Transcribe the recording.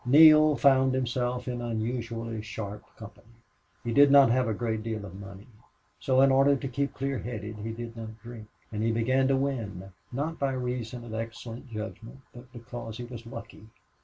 Neale found himself in unusually sharp company. He did not have a great deal of money. So in order to keep clear headed he did not drink. And he began to win, not by reason of excellent judgment, but because he was lucky.